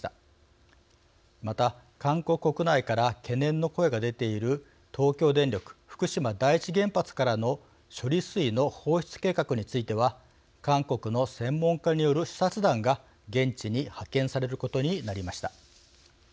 また韓国国内から懸念の声が出ている東京電力福島第一原発からの処理水の放出計画については韓国の専門家による視察団が現地に派遣されることになりました。